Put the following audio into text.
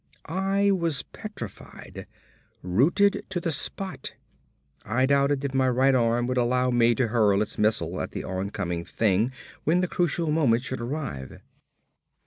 I was petrified, rooted to the spot. I doubted if my right arm would allow me to hurl its missile at the oncoming thing when the crucial moment should arrive.